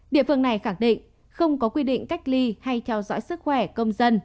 địa phương này khẳng định không có quy định cách ly hay theo dõi sức khỏe công dân